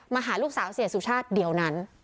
หาลูกสาวเสียสุชาติเดี๋ยวนั้น